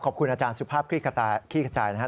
ขอบคุณอาจารย์สุภาพคริคจาย์คริคจาย์นะครับ